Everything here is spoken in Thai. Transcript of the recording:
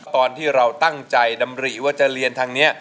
ตอนที่เราตั้งใจดำริว่าจะเรียนทางนี้